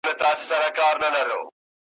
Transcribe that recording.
غاښ چي رنځور سي، نو د انبور سي ,